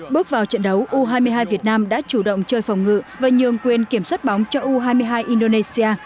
bước vào trận đấu u hai mươi hai việt nam đã chủ động chơi phòng ngự và nhường quyền kiểm soát bóng cho u hai mươi hai indonesia